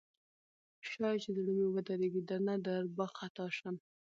شاید چې زړه مې ودریږي درنه درب خطا شم